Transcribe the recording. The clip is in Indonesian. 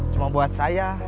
cuma buat saya